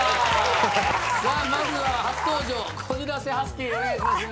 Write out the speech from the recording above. まずは初登場こじらせハスキーお願いします。